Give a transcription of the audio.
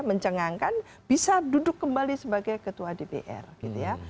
mencengangkan bisa duduk kembali sebagai ketua dpr gitu ya